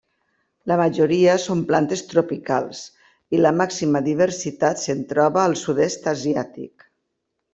La majoria són plantes tropicals, i la màxima diversitat se'n troba al sud-est asiàtic.